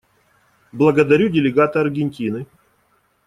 Благодарю делегата Аргентины.